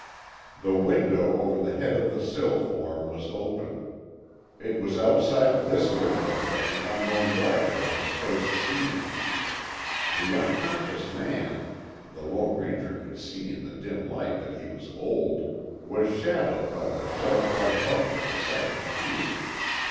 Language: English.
The window over the head of the still form was open. It was outside this window that the unknown rider had been first seen. The unconscious man the Lone Ranger could see in the dim light that he was old was shadowed by the shelf like bunk of the second tier.